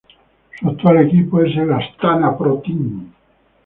Su actual equipo es el Astana Pro Team.